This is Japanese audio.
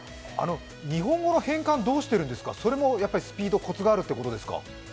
日本語の変換どうしてるんですか、それもスピードコツがあるということですか？